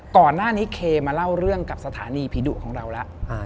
ก่อนหน้านี้เคมาเล่าเรื่องกับสถานีผีดุของเราแล้ว